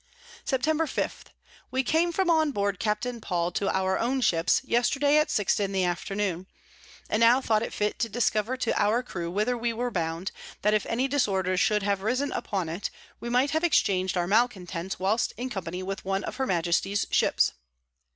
Septemb. 5. We came from on board Capt. Paul to our own Ships, yesterday at six in the Afternoon; and now thought it fit to discover to our Crew whither we were bound, that if any Disorders should have risen upon it, we might have exchang'd our Malecontents whilst in Company with one of her Majesty's Ships.